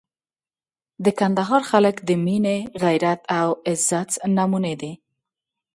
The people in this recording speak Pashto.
د کندهار خلک د مینې، غیرت او عزت نمونې دي.